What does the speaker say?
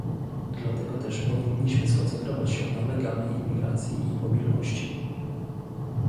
Dlatego też powinniśmy skoncentrować się na legalnej imigracji i mobilności